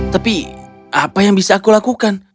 tapi apa yang bisa aku lakukan